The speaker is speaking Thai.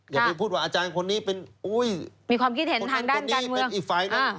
อย่าไปพูดว่าอาจารย์คนนี้เป็นอุ้ยมีความคิดเห็นทางด้านการเมือง